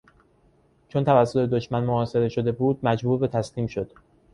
چون توسط دشمن محاصره شده بود مجبور به تسلیم شد.